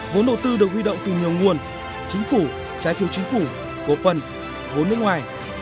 vốn đầu tư được huy động từ nhiều nguồn chính phủ trái phiếu chính phủ cổ phần vốn nước ngoài